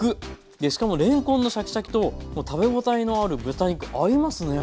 でしかもれんこんのシャキシャキと食べ応えのある豚肉合いますね。